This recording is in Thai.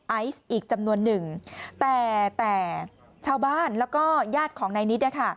ไอซ์อีกจำนวนหนึ่งแต่แต่ชาวบ้านแล้วก็ญาติของนายนิดนะคะ